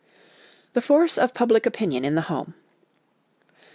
The Force of Public Opinion in the Home.